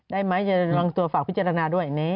ได้ไหมจะระวังตัวฝากพิจารณาด้วย